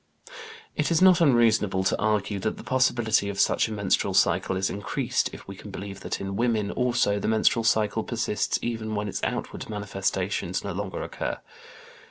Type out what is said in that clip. It is not unreasonable to argue that the possibility of such a menstrual cycle is increased, if we can believe that in women, also, the menstrual cycle persists even when its outward manifestations no longer occur.